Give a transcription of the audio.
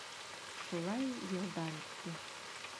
Шулай йылдар үтте.